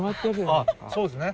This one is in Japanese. ああそうですね。